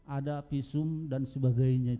ada pisum dan sebagainya